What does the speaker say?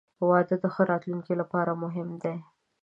• واده د ښه راتلونکي لپاره مهم دی.